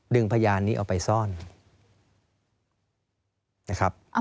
พยานนี้เอาไปซ่อนนะครับ